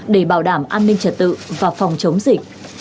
để bảo đảm an ninh trật tự và phòng chống dịch